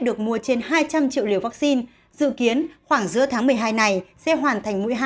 được mua trên hai trăm linh triệu liều vaccine dự kiến khoảng giữa tháng một mươi hai này sẽ hoàn thành mũi hai